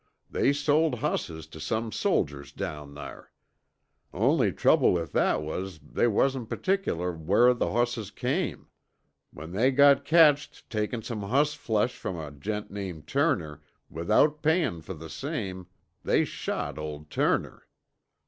They sold hosses tuh some soldiers down thar. Only trouble with that was that they wasn't pertickler whar from the hosses came. When they got catched takin' some hossflesh from a gent named Turner, without payin' fer the same, they shot old Turner."